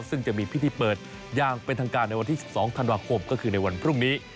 ซึ่งจะมีพิธีเปิดอย่างเป็นทางการในวันที่๑๒ธันวาคมก็คือในวันพรุ่งนี้